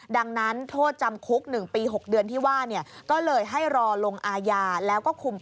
ดังนั้นโทษจำคุก๑ปี๖เดือนที่ว่า